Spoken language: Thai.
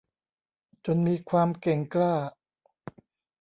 จนมีความเก่งกล้า